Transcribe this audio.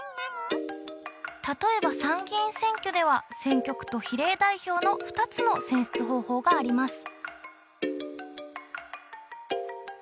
例えば参議院選挙では選挙区と比例代表の２つの選出方法があります。